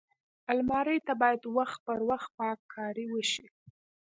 الماري ته باید وخت پر وخت پاک کاری وشي